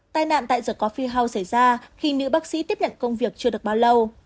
tài nạn tại the coffee house xảy ra khi nữ bác sĩ tiếp nhận công việc chưa được bao lâu